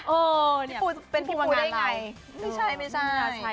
เออพี่ปูเป็นพี่ปูได้ยังไง